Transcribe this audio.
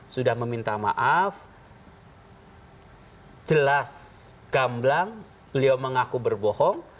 sudah meminta maaf jelas gamblang beliau mengaku berbohong